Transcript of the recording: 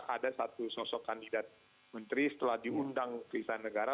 ada satu sosok kandidat menteri setelah diundang keisahan negara